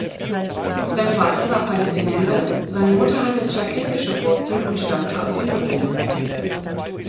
Sein Vater war Palästinenser, seine Mutter hatte tscherkessische Wurzeln und stammte aus Syrien.